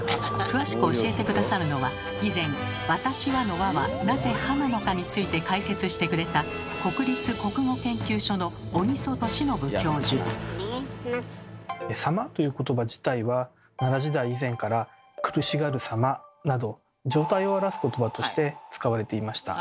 詳しく教えて下さるのは以前「『私は』の『は』はなぜ『は』なのか」について解説してくれた「様」ということば自体は奈良時代以前から「苦しがるさま」など状態を表すことばとして使われていました。